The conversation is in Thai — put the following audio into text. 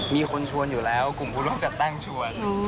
มีคนชวนอยู่แล้วกลุ่มผู้ร่วมจัดตั้งชวน